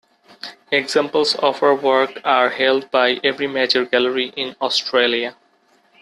Examples of her work are held by every major gallery in Australia.